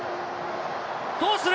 どうする？